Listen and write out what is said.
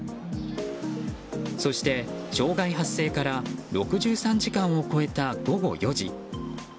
そして障害発生から６３時間を超えた午後４時。